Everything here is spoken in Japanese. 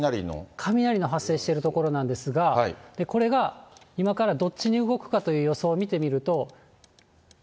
雷の発生している所なんですが、これが今からどっちに動くかという予想を見てみると。